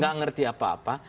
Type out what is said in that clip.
tidak mengerti apa apa